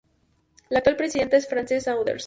La actual presidenta es Frances Saunders.